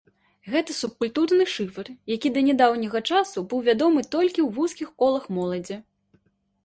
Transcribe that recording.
Гэта субкультурны шыфр, які да нядаўняга часу быў вядомы толькі ў вузкіх колах моладзі.